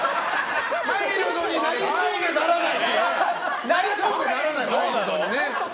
マイルドになりそうでならない。